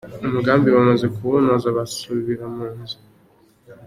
"Umugambi bamaze kuwunoza basubira mu zu.